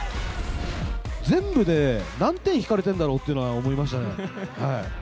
全部で何点引かれてるんだろうっていうのは思いましたね。